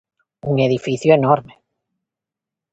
Un edificio enorme.